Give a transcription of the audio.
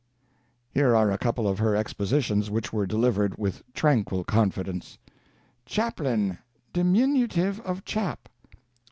Here are a couple of her expositions which were delivered with tranquil confidence: "Chaplain, diminutive of chap.